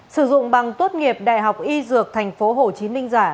sử dụng bằng tốt nghiệp đại học y dược tp hcm giả